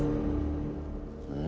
うん？